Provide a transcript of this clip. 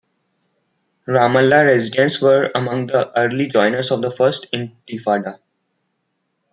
Ramallah residents were among the early joiners of the First Intifada.